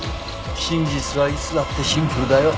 真実はいつだってシンプルだよ。